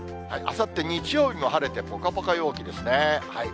あさって日曜日も晴れて、ぽかぽか陽気ですね。